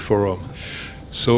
dan untuk mempersiapkan forum